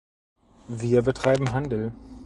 Wir betreiben Handel.